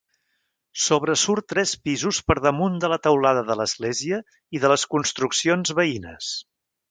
Sobresurt tres pisos per damunt de la teulada de l'església i de les construccions veïnes.